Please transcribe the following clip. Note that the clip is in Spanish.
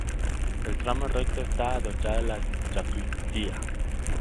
En el tramo recto está adosada la sacristía.